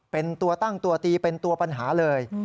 เป็นตัวตั้งตัวตีเป็นตัวปัญหาเลย